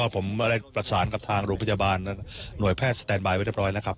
แล้วก็ผมได้แปรงกับทางโรงพยาบาลหน่วยแพทย์สแตนไบล์ไว้เรียบร้อยนะครับ